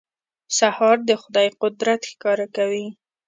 سهار د خدای قدرت ښکاره کوي.